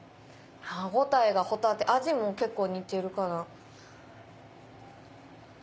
歯応えがホタテ味も結構似てるから。